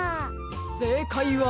せいかいは。